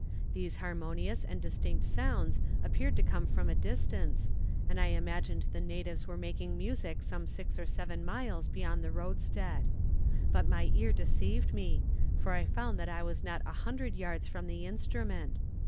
These harmonious and distinct sounds appeared to come from a distance, and I imagined the natives were making music some six or seven miles beyond the roadstead. But my ear deceived me, for I found that I was not a hundred yards from the instrument.